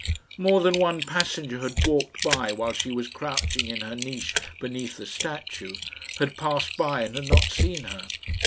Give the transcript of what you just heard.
More than one passenger had walked by while she was crouching in her niche beneath the statue had passed by and had not seen her.